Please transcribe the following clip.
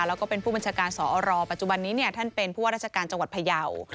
แล้วก็เป็นผู้บัญชาการสอรปัจจุบันนี้ท่านเป็นผู้ว่าราชการจังหวัดพยาว